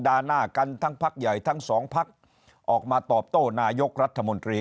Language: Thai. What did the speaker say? หน้ากันทั้งพักใหญ่ทั้งสองพักออกมาตอบโต้นายกรัฐมนตรี